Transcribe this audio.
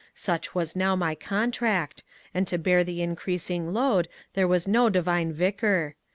Such was now my contract, and to bear the increasing load there was no divine vicar.